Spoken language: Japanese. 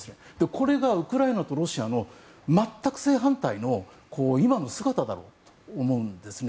これがウクライナとロシアの全く正反対の今の姿だろうと思うんですね。